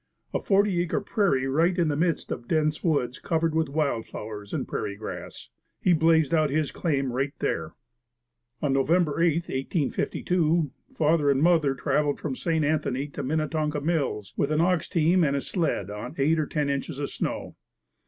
A forty acre prairie right in the midst of dense woods covered with wild flowers and prairie grass. He blazed out his claim right there. On November 8, 1852, father and mother traveled from St. Anthony to Minnetonka Mills with an ox team and sled on eight or ten inches of snow.